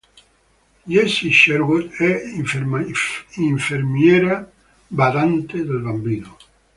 Jessie Sherwood è l'infermiera-badante del bambino.